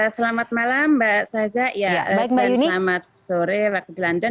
selamat malam mbak saza dan selamat sore waktu london